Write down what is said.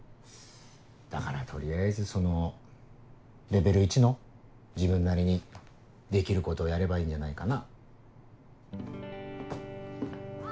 だから取りあえずそのレベル１の自分なりにできることをやればいいんじゃないかな。